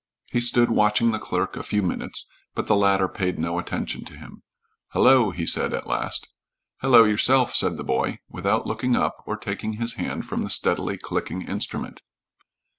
He stood watching the clerk a few minutes, but the latter paid no attention to him. "Hullo!" he said at last. "Hallo, yourself!" said the boy, without looking up or taking his hand from the steadily clicking instrument.